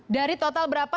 dari total berapa